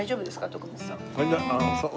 徳光さん。